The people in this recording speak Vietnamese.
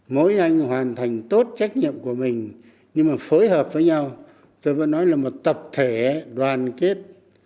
mỗi anh hoàn thành tốt trách nhiệm của mình nhưng mà phối hợp với nhau tôi vẫn nói là một tập thể đoàn kết